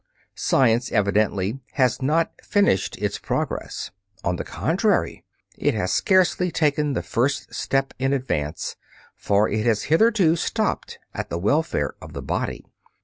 Science evidently has not finished its progress. On the contrary, it has scarcely taken the first step in advance, for it has hitherto stopped at the welfare of the body.